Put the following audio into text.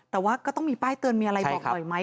แต่ว่าก็ต้องมีป้ายเตือนมีอะไรบอกบ่อยไหม